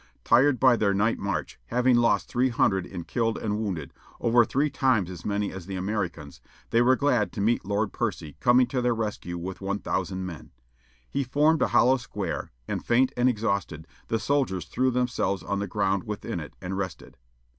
Tired by their night march, having lost three hundred in killed and wounded, over three times as many as the Americans, they were glad to meet Lord Percy coming to their rescue with one thousand men. He formed a hollow square, and, faint and exhausted, the soldiers threw themselves on the ground within it, and rested.